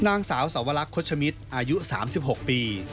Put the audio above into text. นางสาวสวรรคโฆษมิตรอายุ๓๖ปี